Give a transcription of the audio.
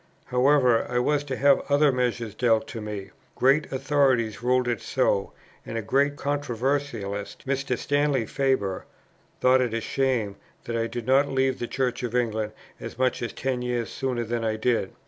However, I was to have other measure dealt to me; great authorities ruled it so; and a great controversialist, Mr. Stanley Faber, thought it a shame that I did not leave the Church of England as much as ten years sooner than I did.